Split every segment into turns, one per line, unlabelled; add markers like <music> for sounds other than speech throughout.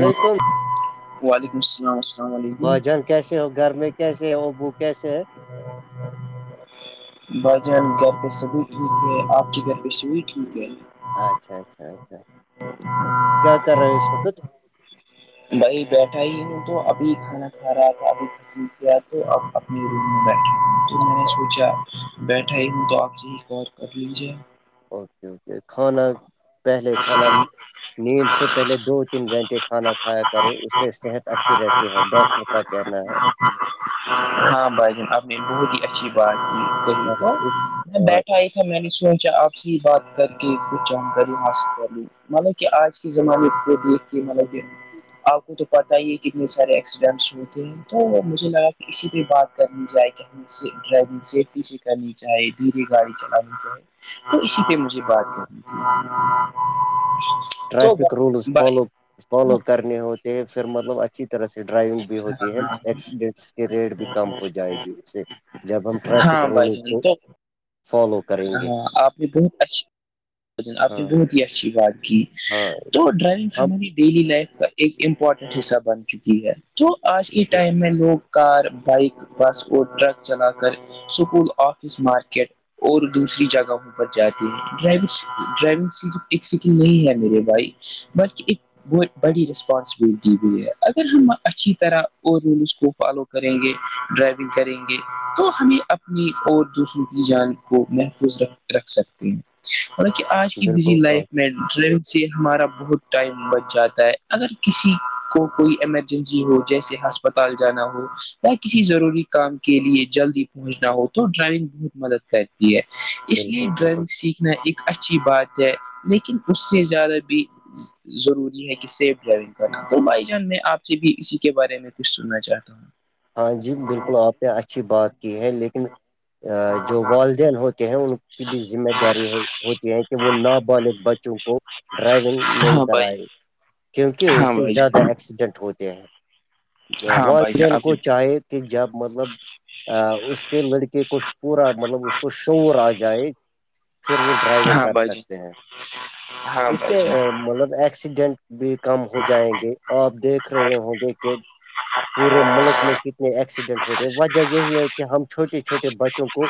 وعلیکم
وعلیکم السلام السلام علیکم
بھجن کیسے ہو گھر میں کیسے ہوبو کیسے ہے
ا بھجان ہم گھر پہ سبھی کیٹھیک ہے آپ کے گھر پہ سبھی کیٹیک ہے
اچھا اچھا اچا کیا کروس وقت
بھائی بیٹھا ہی ہوں تو ابھی کھانا کھا رہا تھا ابھی کیا تو اپنی تو نے سوچ بیھا ہی تو آگ ج کر لیے
اوکے اوکے کھانا پہلے کھانا نیند سے پہلے دو تین گھنٹے کھانا کھایا کرو اس سے صحت اچھی رہتی ہے ڈاکٹر کہنا ہے
ہاں بھائی جن آب نے بہت ہی اچھی بات کی کہی تو میں بیٹھا ہی میں نے سوچا آپ سے بات کر کے کچھ جانکاری حاصل کر لی مل کہ آج کے زمانے کو دیکھتی ہے ملب آپ کو تو پتا ہی ہے کتنے سارے ایکسیڈنٹس ہوتے ہیں تو مجھے لگا کسی پہ بات کرنی جائے کیای ڈرائیگ سیفٹی سے کرنی چاہے دھیری گاڑی چلانی چاہے تو اسی پہ مجھے بات کرنی تھی تو
ٹریفک رولز فالو فالو کرنے ہوتے پھر مطلب اچھی طرح سے ڈرائیونگ ہوتی ہے ایکسیڈینٹس کے ریٹ بھی کم ہو جائے گی اس سے جب ہم ٹریفک
ہاں بھائی
رولز
جان
کو
تو
فالو کریں گے
ہاں آپ نے آپ نے
ہاں
بت یہ اچھی بات کی
ہاں
تو ڈرائیونگ ہماری ڈیلی لائف کا ایک امپورٹنٹ حصہ بن چکی ہے تو آج کے
ہم
ٹائم میں لوگ کار بائک بس اور ٹرک چلا کر سکول آفس مارکیٹ اور دوسری جگہوں پر جاتے ہیں ڈرائیونگ ڈرائیونگ صرف ایک سکل نہیں ہے میرے بھائی بق وہ بڑی ریسپانسبلٹی ہو ہے اگر ہم اچھی طرح اول اس کو فالو کریں گے ڈرائیونگ کریں گے تو ہمیں اپنی اور دوسروں کی جان کو محفوظکھ رکھ سکتے ہیں اور آج کی بزی
بالکل آ،
لائف میں ٹرین سے ہمارا بہت ٹائم بچ جاتا ہے اگر کسی کو کوئی ایمرج ہو جیسے ہسپتال جانا ہو یا کسی ضروری کام کے لیے جلدی پہنچنا ہو تو ڈرائونگ بہت مدد کرتی ہے اس لیے
بالکل بالکل
ڈرائونگ سیکھ ایک اچھی بات ہے لیکن اس سے زیادہ بھی ضروری ہے کہ سیف ڈرائیونگ کرنا تو بائی جان میں آپ سے بھی اسی کے بارے میں کچھ سننا چاہتا ہوں
ہاں جی بالکل آپ نے اچھی بات کی ہے لیکن جو والدین ہوتے ہیں ان کی بھی ذمہ داری ہے ہوتی ہے کہ وہ نابالغ بچوں کو ڈرائیونگ نہیں
ہاں بھائی
کرائی کیونکہ
ہاں
اس سے
بھائی
زیادہ
جان
ایکسیڈنٹ ہوتے ہیں
ہاں بھائی جان
والدین
آپ
کو
نے
چاہے کہ جب مطلب ا اس کے لڑکے کو پورا مطلب اس کو شعور آ جائے پھر وہ ڈرائیونگ
ہاں
کر
بھائی جان
سکتے ہیں
ہاں
اس
بھائی
سے
جان
مطلب ایکسیڈنٹ بھی کم ہو جائیں گے آپ دیکھ رہے ہوں گے کہ پورے ملک میں کتنے ایکسیڈنٹ ہوتے وجہ یہی ہے کہ ہم چھوٹے چھوٹے بچوں کو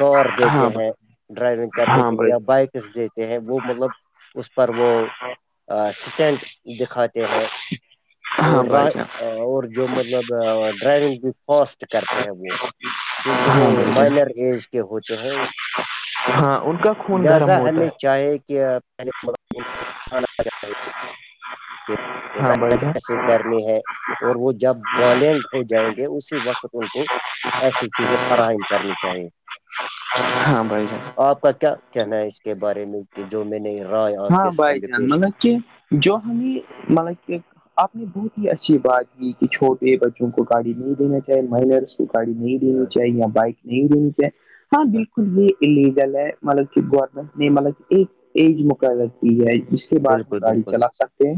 کار دیتے
ہاں
ہیں
بھائی
ڈرائیونگ کرنے
ہاں
کے لیے
بھائی
یا بائکس دیتے ہیں وہ مطلب اس پر وہ سٹینٹ دکھاتے ہیں
ہاں
اور
بھائی جان
اور جو مطلب ڈرائیونگ بھی فاسٹ کرتے ہیں وہ کیونکہ وہ
ہاں بھائی جان
مائنر ایج کے ہوتے ہیں
ہاں ان کا خون
لہذا
گرم ہوتا
ہمیں
ہے
چاہے کہ آپ
ہاں بھائی جان
<unintelligible> کرنی ہے اور وہ جب بالنگ ہو جائیں گے اسی وقت ان کو ایسی چیزیں فراہم کرنی چاہیے
ہاں بائی جائے
آپ کا کیا کہنا ہے اس کے بارے میں کہ جو میں نہیں
ہاں بھائی جان مطلب کہ جو ہمیں مطلب کہ آپ نے بہت ہی اچھی بات کی کہ چھوٹے بچوں کو گاڑی نہیں دینا چاہے ملرس گاڑی نہیں لینی
ہاں
چاہیے یا بائک نہیں رہینی چاہیے ہاں بالکل یہ گل ہے مطلب کہ گورنمنٹ نے مطب ایج مق رتی ہے کے بعد ہم
بالکل
گاڑی
بالکل
چلا سکتے ہیں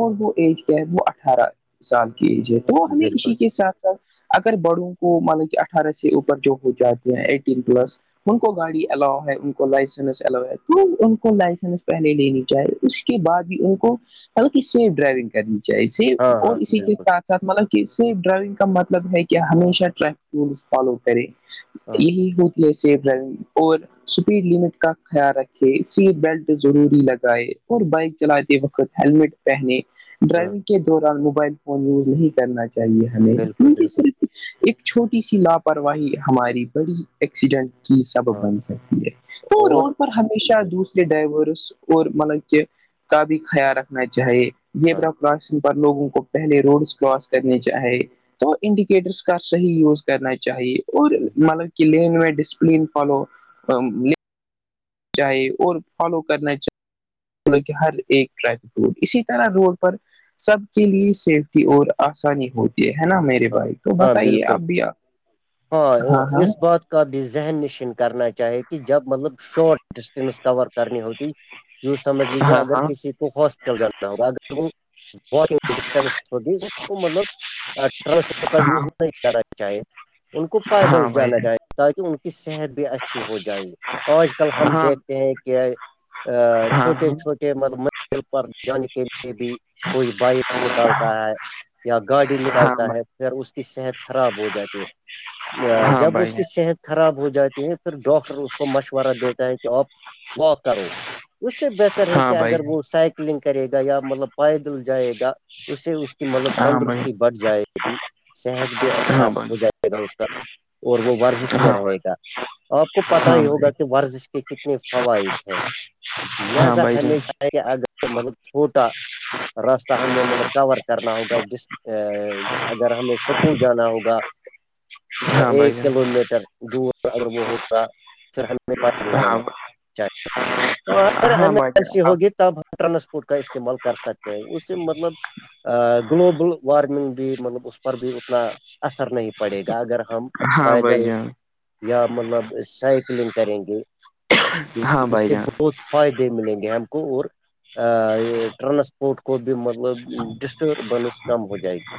اور وہ ایج کیا ہے وہ اٹھارہ سال کی ایج ہے وہ ہمیں
بالکل
اسی کے ساتھ ساتھ اگر بڑوں کو مطلب کہ اٹھارہ سے اوپر جو ہو جاتے ہیں ایٹین پلس ان کو گاڑی الاؤ ہے ان کو لائسنس الاؤ ہے تو ان کو لائسنس پہلے لینی چاہیے اس کے بعد بھی ان کو بطلکہ سیف ڈرائیونگ کرنی چاہیے ے
ہاں ہاں
اور اسی کے
بالکل
ساتھ ساتھ مطلب کہ سیف ڈرائیونگ کا مطلب ہے کہ ہمیشہ ٹریفک رولس فالو کرے
ہاں
یہی ہو ے سیف رگ اور اسپیڈ لمٹ کا خیال رکھے سیٹ بیلٹ ضروری لگائے اور بائک چلاتے وقت ہیللمٹ پہنے
ہاں
ڈرائیونگ کے دوران موبائل فون یوز نہیں کرنا چاہیے ہمیں
بالکل
ان
بالکل
صرف ایک چھوٹی سی لاپرواہی ہماری بڑی ایکسیڈنٹ سبب
ہاں
بن سکتی ہے تو
اور
روڈ پر ہمیشہ
بالکل
دوسرے ڈائیور اور مطلب کہ کا بھی خیال رکھنا چاہیے
ہاں
زیبر لوگوں کو پہلے روڈس کراس کرنے چاہے تو انڈیکیٹرس کا صحیح یوز کرنا چاہیے اور مطلب کہ لین میں ڈسپلین فالو چاہے اور فالو کرنا چاہے کہ ہر ایک ٹریک رڈ اسی طرح روڈ پر سب کے لیے سیفٹی اور آسانی ہوتی یہ ہے نا میرے
ہاں
بھائی تو
ہاں
بتائیے
بالکل
آپ بھییا ہاں ہاں
اس بات کا بھی ذہن نشین کرنا چاہے کہ جب مطلب شارٹ ڈسٹینس کور کرنی ہوتی یوں سمجھ لیجیے
ہاں
اگر
ہاں
کسی کو ہاسپٹل جانا ہوگا اگر وہ واکنگ ڈسٹینس ہوی مطلب
<unintelligible>
ٹرانسپورٹ کا یوز
ہاں
نہیں کرنا چاہے ان کو پیدل
ہاں بھائی
جانا چاہیے تاکہ ان کی صحت بھی اچھی ہو جائے آج کل ہم
ہاں
دیکھتے ہیں کہ
ہاں
چھوٹے چھوٹے مطلب مزل پر جانے کے لیے بھی کوئی بائک نکالتا ہے یا گاڑی
ہاں ہاں
نکالتا
بھائی
ہے پھر اس کی صحت خراب ہو جاتی ہے
ہاں
جب اس
بھائی
کی صحت خراب ہو جاتی ہے پھر ڈاکٹر اس کو مشورہ دیتا ہے کہ آپ واک کرو اس سے بہتر ہے
ہاں
کہ
بھائی
اگر وہ سائیکل لگ کرے گا یا مطلب پائیدل جائے گا اس سے اس کی مطلب
ہاں بھائی
تندرستی بڑھ جائے گی صحت بھی اچھا
ہاں بھائی
ہو جائے گا اس کا اور وہ ورزش میں رہے گا آپ کو پت
ہاں
ہی
بھائی
ہوگا کہ ورزش کے کتنے فوائد ہیں
ہاں
لہذا
بھائی جان
ہمیں چاہیے اگر مطلب چھوٹا راستہ ہمیں مطلب کور کرنا ہوگا جس ا اگر ہمیں سپور جانا ہوگا مطلب
ہاں بھائی
ایک
جان
کلو میٹر دور اگر وہ ہوگ پھر ہمیں پیدل
ہاں
جانا اچ تو اگر
ہاں بھائی
ایمرجنسی
جان
ہوگی تب ہم ٹرانسپورٹ کا استعمال کر سکتے ہیں اس سے مطلب گلوبل وارمنگ بھی مطلب اس پر بھی اتنا اثر نہیں پڑے گا اگر ہم
ہاں بھائی
پیدل
جان
یا مطلب سائیکلنگ کریں گے کیکہ
ہاں
اس
بھائی
سے
جان
بہت فائدے ملیں گے ہم کو اور ٹرانس کوٹ کو بھی مطلب ڈسٹربنس کم ہو جائے گی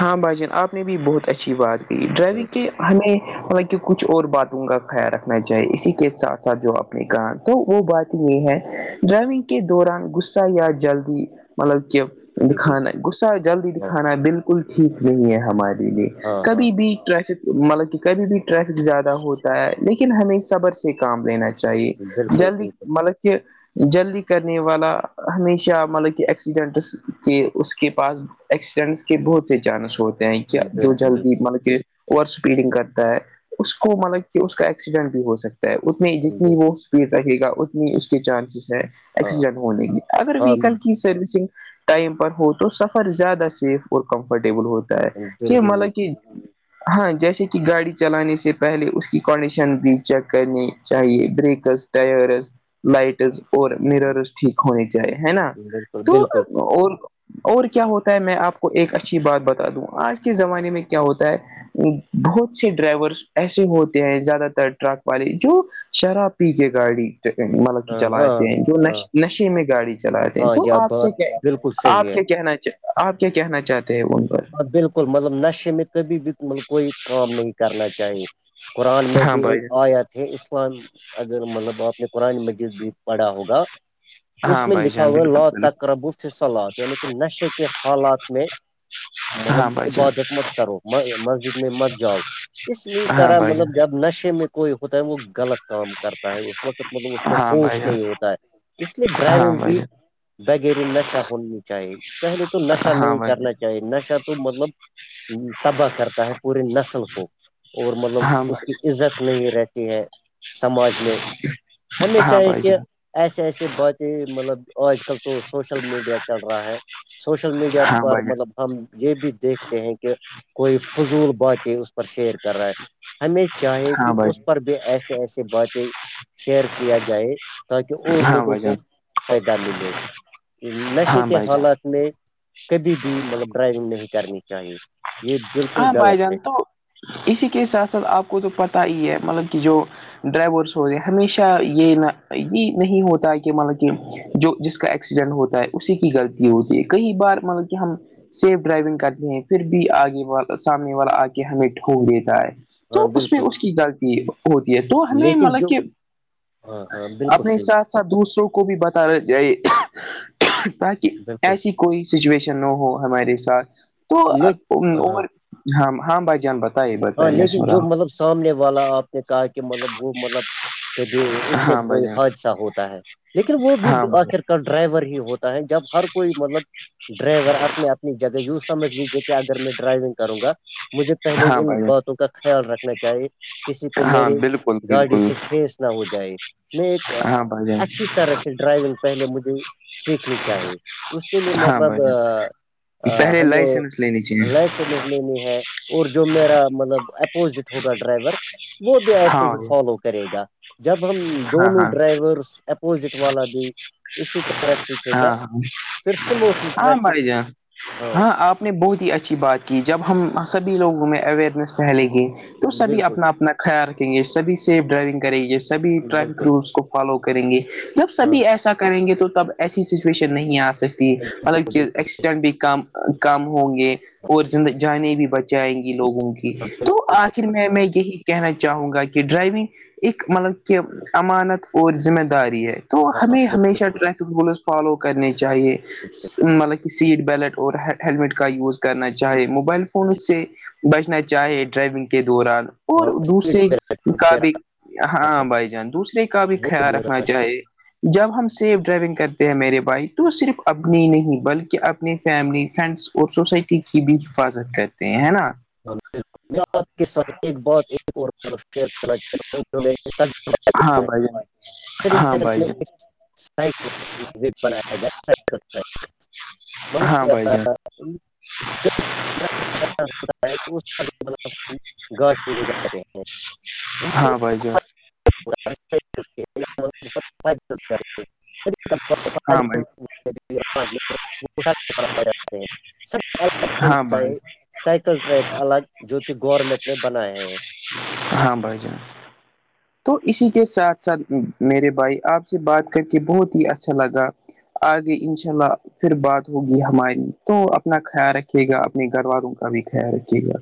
ہاں بھائی جان آپ نے بھی بہت اچھی بات کی ڈرائیونگ
ہ
کے ہمیںط کی کچھ اور باتوں کا خیال رکھنا چاہیے اسی کے ساتھ ساتھ جو آپ نے کہا تو وہ بات یہ ہے ڈرائیونگ کے دوران غصہ یا جلدی مطلب کہ
بالکل
دکھانا غصہ جلدی
ہاں
دکھانا ہے بالکل ٹھیک نہیں ہے ہمارے لیے
ہاں ہاں
کبھی بھی ٹریفک مطلب کہ کبھی بھی ٹریفک زیادہ ہوتا ہے لیکن ہمیں صبر سے کام لینا چاہی چاہیے
بالکل
جلدی
بالکل
مطلب کہ جلدی کرنے والا ہمیشہ مطلب کہ ایکسیڈنٹس کے اس کے پاس ایکسیڈنٹس کے بہت سے چانس ہوتے ہیں کیا جو
بالکل
جلدی مطلب کہ اوور اسپیڈنگ کرتا ہے اس کو مطلب کہ اس کا ایکسیڈنٹ بھی ہو سکتا اتنی
بالکل
جتنی وہ
بالکل
اسپیڈ رہے گا اتنی اس کے چانسیز ہے
ہاں
ایکسیڈنٹ ہونےے اگر
ہاں
وہیکل کی سروسنگ ٹائم پر ہو تو سفر زیادہ سے اور کمفرٹیبل ہوتا ہے کہ
بالکل
مل
بالکل
کہ ہاں جیسے کہ گاڑی چلانے سے پہلے اس کی کنڈیشن بھی چیک کرنی چاہیے بریکس تیار حز لائٹز اور
ہاں،
نیررس ٹھیک ہونی چاہی ہے نا
بالکل
تو
بالکل
اور اور کیا ہوتا ہے میں آپ کو ایک اچھی بات بتا دوں آج کے زمانے میں کیا ہوتا ہے بہت سے ڈرائیورس ایسے ہوتے ہیں زیادہ تر ٹرک والے جو شراب پییے گاڑی مطلب
ہاں ہاں
چلاتے ہیں جو
ہاں
نشے میں گاڑی چلاتے ہیں
ہاں
تو
یہ
آپ کیا
بات
کیا
بالکل صحیح
آپ
ہے
کیا کہنا آپ کیا کہنا چاہتے ہیں ان پر
بالکل مطلب نشے میں کبھی بھی ملب کوئی کام نہیں کرنا چاہیے قرآن میں
ہاں
بھی
بھائی
ایک آیات ہے اسلام اگر مطلب آپ نے قرآن مجید بھی پڑا ہوگا
ہاں
اس میں
بھائی
لکھا
جان بالکل
ہوا
بالکل
تقربو فص یعنی کہ نشے کے حالات میں مطلب
ہاں بھائی جان
عبادت مت کرو مسجد میں مس جاؤ اسی
ہاں
طرح
بھائی
مطلب
جان
جب نشے میں کوئی ہوتا ہے وہ غلط کام کرتا ہے اس وقت مطلب اس کو
ہاں بھائی
ہوش
جان
نہیں ہوتا ہے اس لیے
ہاں
ڈرائیونگ
بھائی
بھی
جان
بگری نشہ ہونی چاہیے پہلے تو نشہ
ہاں
نہیں
بھائی جان
کرنا نشا تو مطلب تباہ کرتا ہے پوری نسل کو اور مطلب اس کی عزت نہیں رہتی ہے سماج میں ہمیں
ہاں
چاہیے
بھائی
کہ
جان،
ایسے ایسے باتیں مطلب آج کل تو سوشل میڈیا چل رہا ہے سوشل میڈیا
ہاں
پر
بھائی جان
مطلب ہم یہ بھی دیکھتے ہیں کہ کوئی فضول باتیں اس پر شیئر کر رہا ہے ہمیں چاہے
ہاں
کہ
بھائی جان ہاں بھائی
اس پر بھی ایسے ایسیے باتیں شیئر کیا جائے تاکہ اور
ہاں
لوگوں
بھائی
کو
جان
فائدہ ملے نشے
ہاں
کے
بھائی جان
حالات میں کبھی بھی مطلب ڈرائیونگ نہیں کرنی چاہیے یہ
ہاں
بالکل
بھائی
غلط ہے
جان تو اسی کے ساتھ ساتھ آپ کو تو پتا ہی ہے مطلب کہ جو ڈرائیور س ہو رہے ہمیشہ یہ نہ یہ نہیں ہوتا کہ مطلب کہ جو جس کا ایکسیڈنٹ ہوتا ہے اسی کی غلطی ہوتی ہے کئی بار مطلب کہ ہم سیف ڈرائیونگ کرتے ہیں پھر بھی آگے وال سامنے والا آ کے ہمیں ٹوک دیتا ہے تو
ہاں
اس میں
بالکل
اس کی غلطی ہوتی ہے تو ہمیں
لیکن
مطلب
جو
کہ
ہاں ہاں بالکل
اپنے
صحیح
ساتھ ساتھ دوسروں کو بھی بتاا جیے تاکہ
بالکل
ایسی کوئی سچویشن نہ ہو ہمارے ساتھ تو
ل ہاں
ہاں بھائی جان بتا
ہاں لیکن جو مطلب سامنے والا آپ نے کہا کہ مطلب وہ مطلب کہ اس سے
ہاں بھائی
کوئی
جان
حادثہ ہوتا ہے لیکن وہ بھی
ہاں بھائی
آخر کا ڈرائیور ہی ہوتا ہے جب ہر کوئی مطلب ڈرائیور اپنی اپنی جگہ یوں سمجھ لیجیے کہ اگر میں ڈرائیونگ کروں گا مجھے پہلے
ہاں
ان
بھائی جان
باتوں کا خیال رکھنا چاہیے کسی کو
ہاں
میری
بالکل
گاڑی
بالکل
سے ٹھیس نہ ہو جائے میں ایک
ہاں بھائی جان
اچھی طرح سے ڈرائیونگ پہلے مجھے سیکھنی چاہیے اس کے بھیے
ہاں
مطلب
بھائی جان پہلے
ہم نے
لائسنس لینی چاہیے
لیس لینی ہے اور جو میرا مطلب اپوزٹ ہوگا ڈرائیور وہ بھی
ہاں
ایسے ہی
بھائی
فالو کرے گا جب ہم
ہاں
دونوں
ہاں
ڈرائیور اپوزٹ والا دی اسی طرح سیککھے گا
ہاں ہاں
پھر سموتھلی
ہاں
ٹریفک
بھائی جان
ہاں
نے بہت ہی اچھی بات کی جب ہم سبھی لوگوں میں اویئرنیس پھیلے گئے تو سبھی
بالکل
اپنا اپنا خیال رکھیں گے سبھی سیف ڈرائیونگ کریں گی سبھی ٹریفک
بالکل
رولس کو فالو کریں گے مطلب
ہاں
سبھی ایسا کریں گے تو تب ایسی سچویشن نہیں آ سکتی مطلب
بالکل
کہ
بالکل
ایکسیڈنٹ بھی کم کم ہوں گے اور زند جانے بھی بچائیں گی لوگوں کی تو آ میں میں یہی کہنا چاہوں گا کہ ڈرائیونگ ایک مطلب امانت اور ذمہ داری ہے تو ہمیں ہمیشہ ٹریفک رولس فالو کرنی چاہیے مطلب کہ سیٹ بیلٹ اور ہیلمٹ کا یوز کرنا چاہے موبائل فون سے بچنا چاہے ڈرائیونگ کے دوران
ہاں
اور دوسرے کا
بالکل۔
بھی ہاں بھائی جان دوسرے کا بھی خیال رکھنا چاہیے جب ہم سیف ڈرائیونگ کرتے ہیں میرے بائک تو وہ صرف اپنی نہیں بلکہ اپنی فیملی فرینڈس اور سوسائٹی کی بھی حفاظت کرتے ہیں ہے نا
میں آپ کے ساتھ ایک بات ایک اورل شیئر کرنا
ہاں بھائی جان ہاں
<unintelligible>
بھائی جان
مز بنایا گیا سائیکل ٹریک مطلب
ہاں بھائی جان
گاش جاے ہیں
ہاں بھائی جان
<unintelligible>
ہاں بھائی
اتب
ہاں بھائی
سے سائیکل ٹریک الگ جو کہ گورنمنٹ نے بنایا ہے
ہاں بھائی جان
<unintelligible>
تو اسی کے ساتھ ساتھ میرے بھائی آپ سے بات کر کے بہت ہی اچھا لگا آگے انشاء اللہ پھر بات ہوگی ہماری تو اپنا خیال رکھیے گا اپنے گھر والوں کا بھی خیال رکھیے گا